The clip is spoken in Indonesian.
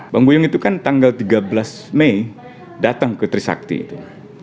bang guyung itu kan tanggal tiga belas mei datang ke trisakti itu